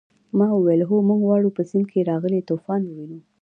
ما وویل هو موږ غواړو په سیند کې راغلی طوفان ووینو.